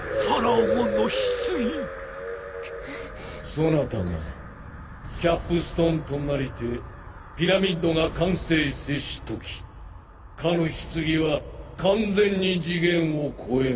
そなたがキャップストーンとなりてピラミッドが完成せし時かの棺は完全に次元を超えん。